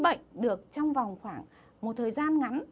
và chúng ta cũng nuôi bệnh được trong vòng khoảng một thời gian ngắn